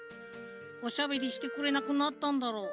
おしゃべりしてくれなくなったんだろう。